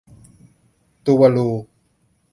ตูวาลู